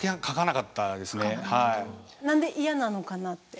何で嫌なのかなって。